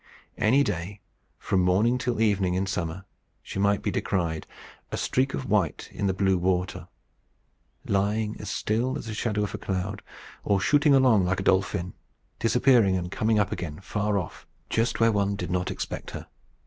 Any day, from morning till evening in summer, she might be descried a streak of white in the blue water lying as still as the shadow of a cloud, or shooting along like a dolphin; disappearing, and coming up again far off, just where one did not expect her.